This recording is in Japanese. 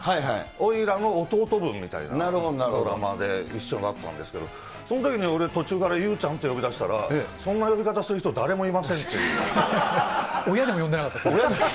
おいらの弟分みたいなドラマで一緒だったんですけど、そのときに俺、途中からゆうちゃんって呼び出したら、そんな呼び方する人誰もい親でも呼んでなかったですね。